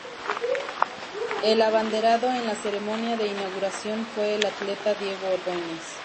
El abanderado en la ceremonia de inauguración fue el atleta Diego Ordóñez.